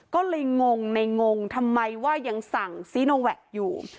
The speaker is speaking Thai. ก็เลยงงในงงทำไมว่ายังสั่งซีโนแวคอยู่